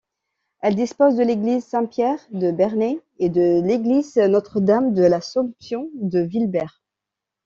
Elle dispose de l'église Saint-Pierre de Bernay et de l'église Notre-Dame-de-l'Assomption de Vilbert.